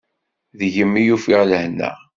Deg-m i ufiɣ lehna.